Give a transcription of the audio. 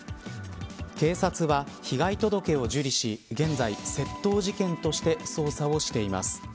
警察は、被害届を受理し現在、窃盗事件として捜査をしています。